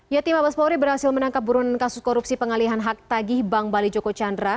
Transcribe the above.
yati mabespori berhasil menangkap burun kasus korupsi pengalihan hak tagih bank bali joko candra